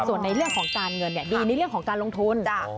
ส่วนในเรื่องของการเงินดีในเรื่องของการลงทุน